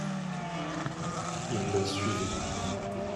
Ils le suivaient.